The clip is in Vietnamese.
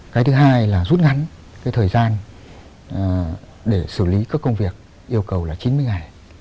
cái thứ hai là rút ngắn cái thời gian để xử lý các công việc yêu cầu là chín mươi ngày